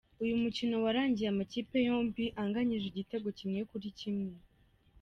Uyu mukino warangiye amakipe yombi anganyije igitego kimwe kuri kimwe.